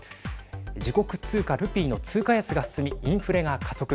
自国通貨ルピーの通貨安が進みインフレが加速。